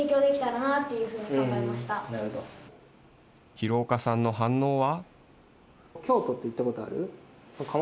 廣岡さんの反応は。